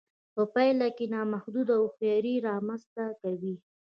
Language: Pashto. په پایله کې نامحدوده هوښیاري رامنځته کوي